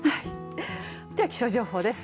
では、気象情報です。